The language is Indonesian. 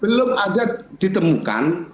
belum ada ditemukan